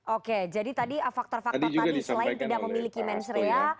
oke jadi tadi faktor faktor tadi selain tidak memiliki mensrea